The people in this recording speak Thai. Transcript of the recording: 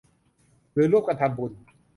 หรือร่วมกันทำบุญ